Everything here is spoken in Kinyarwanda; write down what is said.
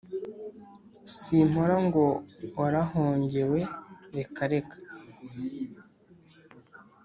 simpora ngo warahongewe reka reka